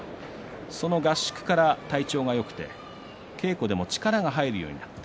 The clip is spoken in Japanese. その合宿から体調がよくて稽古でも力が入るようになった。